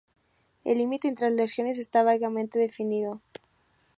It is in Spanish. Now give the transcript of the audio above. El límite entre las regiones está vagamente definido.